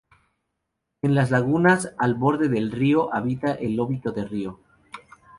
En las lagunas al borde del río habita el lobito de río.